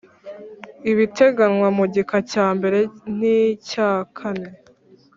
Ibiteganywa mu gika cya mbere n icyakane